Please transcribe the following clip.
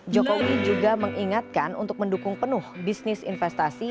jokowi juga mengingatkan untuk mendukung penuh bisnis investasi